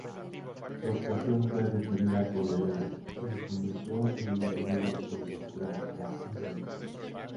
Su actuación fue recibida con elogios y le convirtió en una estrella cinematográfica insólita.